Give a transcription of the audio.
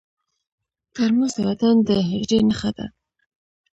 ترموز د وطن د حجرې نښه ده.